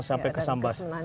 sampai ke sambas